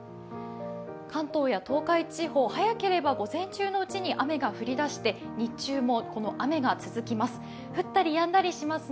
関東や東海地方、早ければ午前中のうちに雨が降り出して日中もこの雨が続きます。